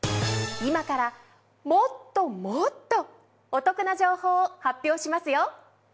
今からもっともっとお得な情報を発表しますよ。